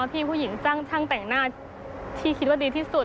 พี่ผู้หญิงจ้างช่างแต่งหน้าที่คิดว่าดีที่สุด